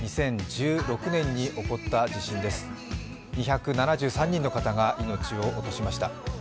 ２０１６年に起こった地震です２７３人の方が命を落としました。